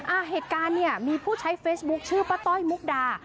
อ่าเหตุการณ์เนี่ยมีผู้ใช้เฟซบุ๊คชื่อป้าต้อยมุกดา